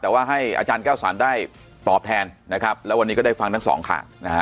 แต่ว่าให้อาจารย์แก้วสรรได้ตอบแทนนะครับแล้ววันนี้ก็ได้ฟังทั้งสองข่าวนะฮะ